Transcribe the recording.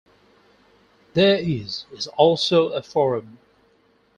There is also a forum.